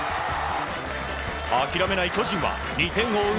諦めない巨人は２点を追う